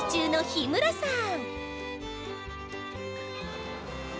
日村さん